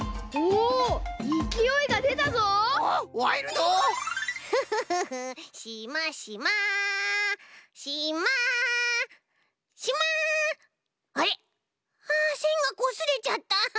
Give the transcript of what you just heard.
あせんがこすれちゃった。